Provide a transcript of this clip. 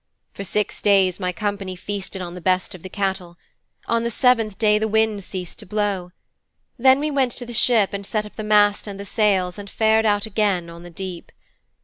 'For six days my company feasted on the best of the cattle. On the seventh day the winds ceased to blow. Then we went to the ship and set up the mast and the sails and fared out again on the deep.'